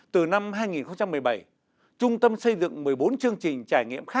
từ năm hai nghìn một mươi bảy trung tâm xây dựng một mươi bốn chương trình trải nghiệm